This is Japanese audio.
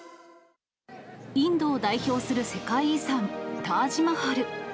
インドを代表する世界遺産、タージマハル。